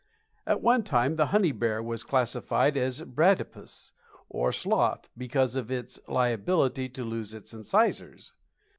At one time the Honey Bear was classified as a "Bradipus," or sloth, because of its liability to lose its incisors.